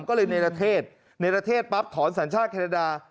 ก็เลยในประเทศในประเทศปั๊บถอนสัญชาติแคนาดา